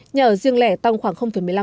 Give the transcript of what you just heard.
nhà ở riêng lẻ tăng khoảng một mươi năm